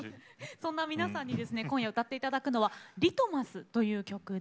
そんな皆さんにですね今夜歌っていただくのは「ＬＩＴＭＵＳ」という曲です。